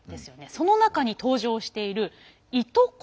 その中に登場している伊都國。